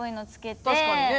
確かにね。